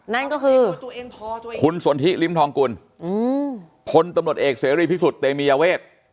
นั่นก็คือคุณสนทิริมทองกุลพลตำรวจเอกเสรีพิสุทธิ์เตมียเวท